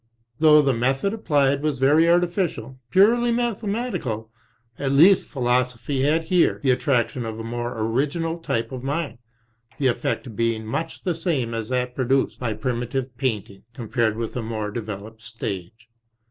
Though the method applied was very arti ficial, purely mathematical, at least Philosophy had here the attraction of a more original type of mind, the effect being much the same as that produced by primitive painting, com pared with a more developed stage.